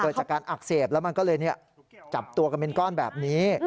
จากการอักเสบแล้วมันก็เลยจับตัวกันเป็นก้อนแบบนี้